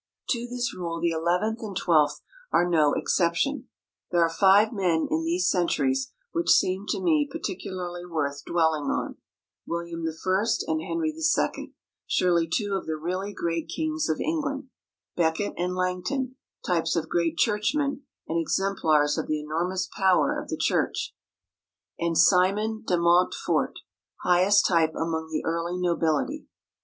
To this rule the eleventh and twelfth are no exception. There are five men in these centuries which seem to me particularly worth dwelling on: William I and Henry II, surely two of the really great kings of England; Becket and Langton, types of great churchmen and exemplars of the enormous power of the Church; and Simon de Montfort, highest type among the early nobility.